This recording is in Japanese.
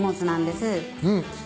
うん。